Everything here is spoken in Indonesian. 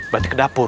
berarti ke dapur